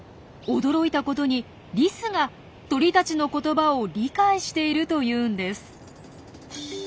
驚いたことにリスが鳥たちの言葉を理解しているというんです。